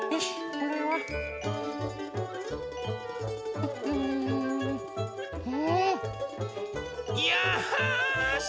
これは。よし！